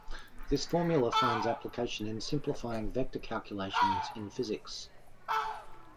This formula finds application in simplifying vector calculations in physics.